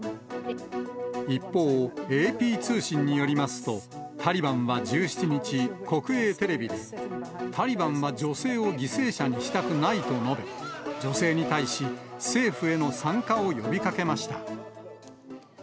一方、ＡＰ通信によりますと、タリバンは１７日、国営テレビで、タリバンは女性を犠牲者にしたくないと述べ、女性に対し、政府への参加を呼びかけました。